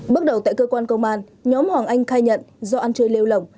bước đầu tại cơ quan công an nhóm hoàng anh khai nhận do ăn chơi lêu lỏng